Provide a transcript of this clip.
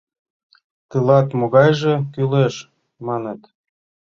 — Тылат могайже кӱлеш? — маныт.